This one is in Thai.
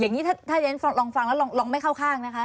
อย่างนี้ถ้าเรียนลองฟังแล้วลองไม่เข้าข้างนะคะ